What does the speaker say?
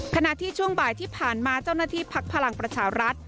ขณะที่ช่วงบ่ายที่ผ่านมาเจ้าหน้าที่พักพลังประชารัฐ